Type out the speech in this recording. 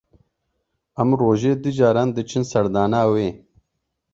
Em rojê du caran diçin serdana wê.